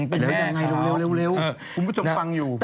เร็วผมผู้จบฟังอยู่